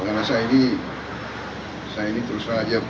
karena saya ini saya ini terus terang aja